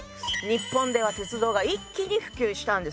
日本では鉄道が一気に普及したんです。